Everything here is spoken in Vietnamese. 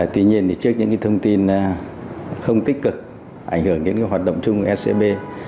tuy nhiên trước những thông tin không tích cực ảnh hưởng đến hoạt động chung của scb